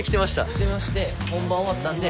着てまして本番終わったんで。